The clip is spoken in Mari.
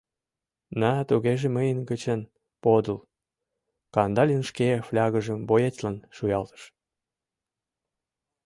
— На тугеже мыйын гычын подыл, — Кандалин шке флягыжым боецлан шуялтыш.